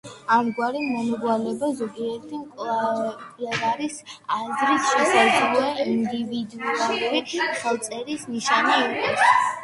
ამგვარი მომრგვალება, ზოგიერთი მკვლევარის აზრით, შესაძლოა ინდივიდუალური ხელწერის ნიშანი იყოს.